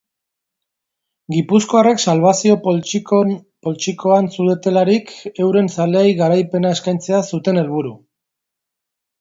Gipuzkoarrek salbazio poltsikoan zutelarik euren zaleei garaipena eskaintzea zuten helburu.